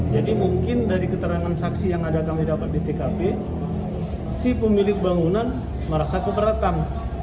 jadi mungkin dari keterangan saksi yang ada kami dapat di tkp si pemilik bangunan merasa keberatan